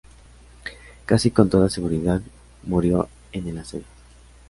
Casi con toda seguridad murió en el asedio.